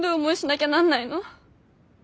ぎゃなんないの。